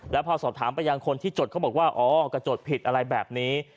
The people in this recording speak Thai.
แล้วพอสอบถามไปยังคนที่จดเขาบอกว่าอ๋อก็จดผิดอะไรแบบนี้